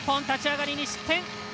立ち上がりに失点。